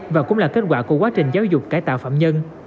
và cũng là kết quả của quá trình giáo dục cải tạo phạm nhân